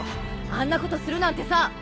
あんなことするなんてさ！